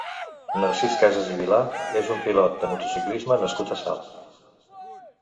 Narcís Casas i Vila és un pilot de motociclisme nascut a Salt.